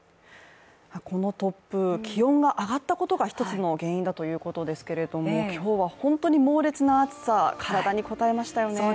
この突風、気温が上がったことが１つの原因だということですけれども、今日は本当に猛烈な暑さ体にこたえましたよね。